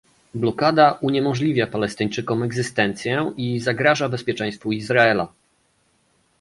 "Blokada uniemożliwia Palestyńczykom egzystencję i zagraża bezpieczeństwu Izraela"